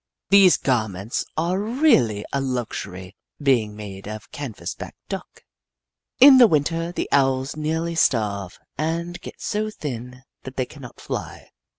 These garments are really a luxury, being made of canvasback Duck. In the Winter, the Owls nearly starve, and get so thin that they cannot fly.